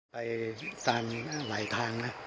ไปตามหลายทางนะ